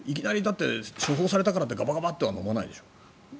処方されたからってガバガバッと飲まないでしょ。